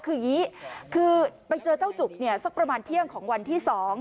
คืออย่างนี้คือไปเจอเจ้าจุกเนี่ยสักประมาณเที่ยงของวันที่๒